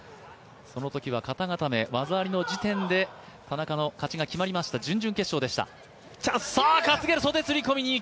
そのときは肩固め、技ありの時点で田中の勝ちが決まりました、準々決勝でした。